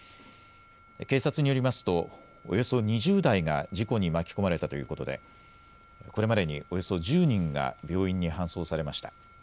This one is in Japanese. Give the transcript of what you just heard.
警察によりますとおよそ２０台が事故に巻き込まれたということでこれまでにおよそ１０人が病院に搬送されました。